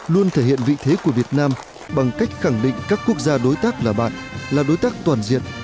luôn thể hiện vị thế của việt nam bằng cách khẳng định các quốc gia đối tác là bạn là đối tác toàn diện